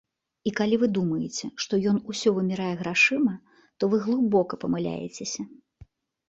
І калі вы думаеце, што ён усё вымярае грашыма, то вы глыбока памыляецеся.